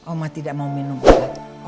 oma tidak mau minum obat